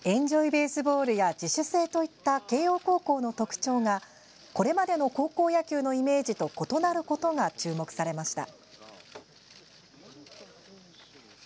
・ベースボールや自主性といった慶応高校の特徴がこれまでの高校野球のイメージと異なることが注目がされました。